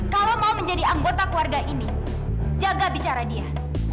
kalau mau menjadi anggota keluarga ini jaga bicara dia